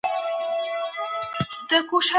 ډیپلوماسي باید د هېواد د بشپړې خپلواکۍ لپاره وي.